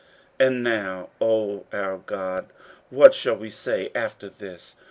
15:009:010 And now, O our God, what shall we say after this?